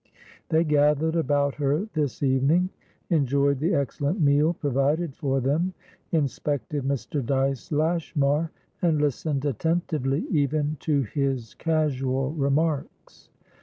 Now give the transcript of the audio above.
They gathered about her this evening; enjoyed the excellent meal provided for them; inspected Mr. Dyce Lashmar, and listened attentively even to his casual remarks.